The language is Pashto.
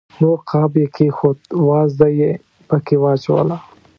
تور قاب یې کېښود، وازده یې پکې واچوله.